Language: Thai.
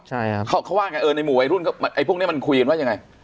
ใช่ครับเขาเขาว่าไงเออในหมู่วัยรุ่นไอ้พวกนี้มันคุยกันว่ายังไง